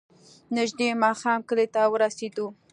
نژدې ماښام کلي ته ورسېدو.